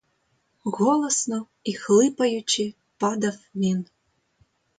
Голосно і хлипаючи падав він.